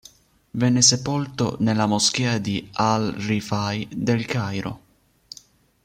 Venne sepolto nella Moschea di al-Rifa'i del Cairo.